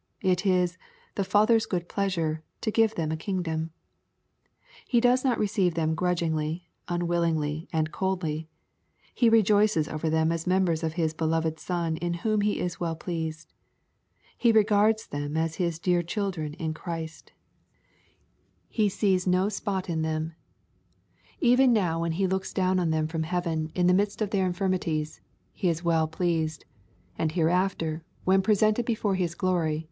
It is " the Father's good pleasure" to give them a kingdom. He does not receive them grudgingly, unwillingly, and coldly. He rejoices over them as members of His beloved Son in whom He is well pleased. He regards them as His dear children in Christ. He sees no spot in them LUKE, CHAP XII. 85 Even now, when He looks down on them from heaven, in the midst of their infirmities, he is well pleased, and hereafter, when presented before His glory.